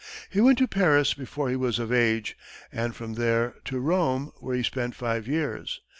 He went to Paris before he was of age, and from there to Rome, where he spent five years.